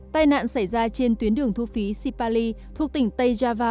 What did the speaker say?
tai nạn xảy ra trên tuyến đường thu phí sipali thuộc tỉnh tây java